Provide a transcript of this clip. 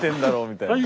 みたいな。